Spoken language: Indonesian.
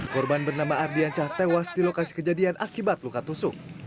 korban bernama ardiansyah tewas di lokasi kejadian akibat luka tusuk